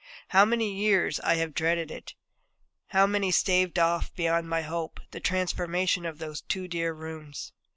How many years I have dreaded it; how many staved off, beyond my hope, the transformation of those two dear rooms!